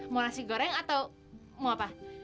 mau nasi goreng atau mau apa